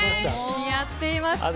似合っています。